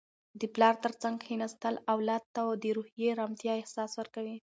د پلار تر څنګ کښیناستل اولاد ته د روحي ارامتیا احساس ورکوي.